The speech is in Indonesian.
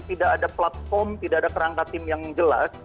tidak ada platform tidak ada kerangka tim yang jelas